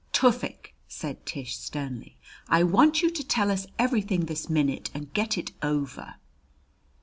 "Tufik," said Tish sternly, "I want you to tell us everything this minute, and get it over."